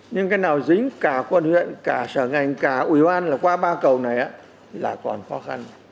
nhưng cái nào dính cả quận huyện cả sở ngành cả ủy ban là qua ba cầu này là còn khó khăn